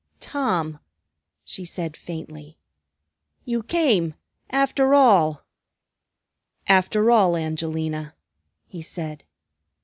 "Tom!" she said faintly. "You came, after all!" "After all, Angelina," he said.